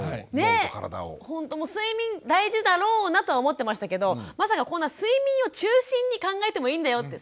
ほんと睡眠大事だろうなとは思ってましたけどまさかこんな睡眠を中心に考えてもいいんだよって。